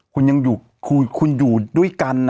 คุณยังอยู่ด้วยกัน